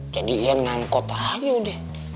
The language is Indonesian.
jadi iyan nangkot aja udah